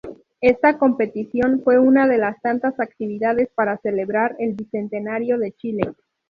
Esta competición fue una de las tantas actividades para celebrar el Bicentenario de Chile.